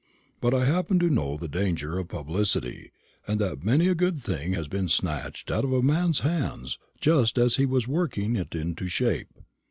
But I happen to know the danger of publicity, and that many a good thing has been snatched out of a man's hands just as he was working it into shape.